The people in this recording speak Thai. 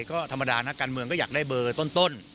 ก็ธรรมดานักการเมืองก็อยากได้เบอร์ต้น